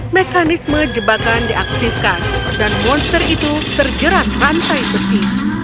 mekanisme jebakan diaktifkan dan monster itu terjerat rantai besi